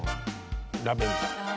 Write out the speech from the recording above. ラベンダー。